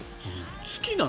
好きなの？